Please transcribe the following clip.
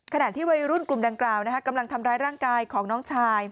ขณะที่วัยรุ่นกลุ่มดังกล่าวกำลังทำร้ายร่างกายของน้องชาย